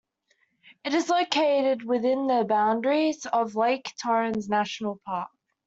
It is located within the boundaries of Lake Torrens National Park.